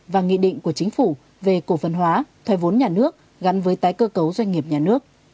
và nghị định của chính phủ về cổ phần hóa thoái vốn nhà nước gắn với tái cơ cấu doanh nghiệp nhà nước